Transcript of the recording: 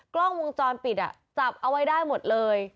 กล้องวงจรปิดจับเอาไว้ได้หมดเลย